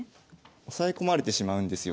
押さえ込まれてしまうんですよ